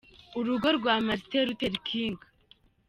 Urugo rwa Martin Luther King, Jr.